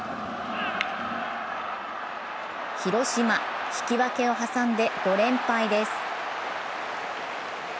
広島、引き分けを挟んで５連敗です。